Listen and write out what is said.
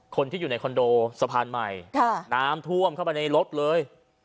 คนที่อยู่ในคอนโดสะพานใหม่น้ำท่วมเข้าไปในรถเลย